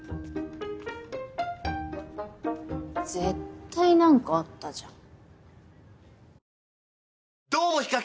絶対何かあったじゃん。